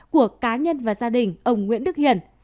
của cá nhân và gia đình ông nguyễn đức hiển